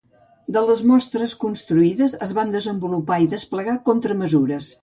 De les mostres construïdes, es van desenvolupar i desplegar contramesures.